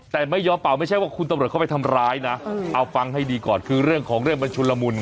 แต่ไม่ยอมเป่าไม่ใช่ว่าคุณตำรวจเข้าไปทำร้ายนะเอาฟังให้ดีก่อนคือเรื่องของเรื่องมันชุนละมุน